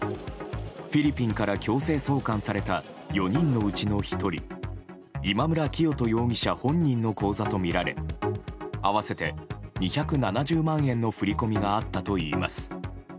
フィリピンから強制送還された４人のうちの１人今村磨人容疑者本人の口座とみられ合わせて２７０万円の振り込みがあったといいます。